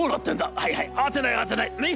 『はいはい慌てない慌てないねっ。